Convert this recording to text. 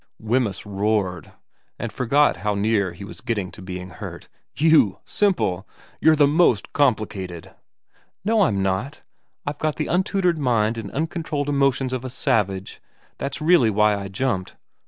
Wemyss roared, and forgot how near he was getting to being hurt. ' You simple ! You're the most complicated '' No I'm not. I've got the untutored mind and uncontrolled emotions of a savage. That's really why I jumped.'